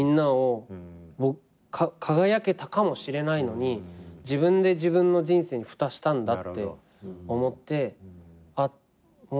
輝けたかもしれないのに自分で自分の人生にふたしたんだって思ってあっもう。